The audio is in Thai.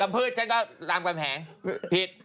กับพืชฉันก็ลำบามแหงผิด